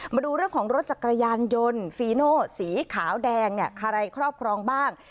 มาดูเรื่องของรถจักรยานยนต์ฟีโนสีขาวแดงเนี่ยใครครอบครองบ้าง